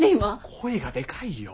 声がでかいよ。